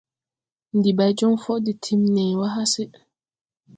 Ndi bay jɔŋ fɔʼɔ de timini wà hase.